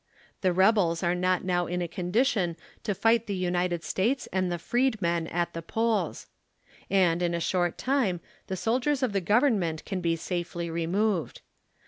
The rebels are not now in a condition to fight the United States and the freedmen at the polls. And in a short time the soldiers of the Gov ernment can be safely removed.